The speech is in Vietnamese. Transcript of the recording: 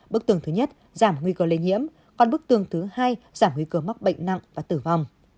bức tường thứ nhất giảm nguy cơ lây nhiễm còn bức tường thứ hai giảm nguy cơ mắc bệnh nặng và tử vong